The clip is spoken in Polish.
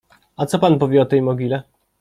— A co pan powie o tej mogile?